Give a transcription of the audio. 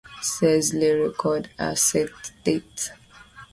C’est le record à cette date.